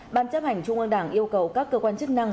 ban chấp hành trung ương đảng yêu cầu các cơ quan chức năng